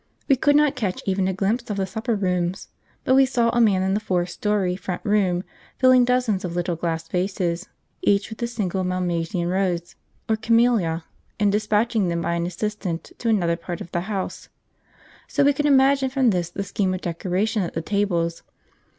We could not catch even a glimpse of the supper rooms, but we saw a man in the fourth story front room filling dozens of little glass vases, each with its single malmaison, rose, or camellia, and despatching them by an assistant to another part of the house; so we could imagine from this the scheme of decoration at the tables.